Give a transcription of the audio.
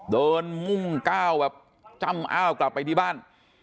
มุ่งก้าวแบบจ้ำอ้าวกลับไปที่บ้าน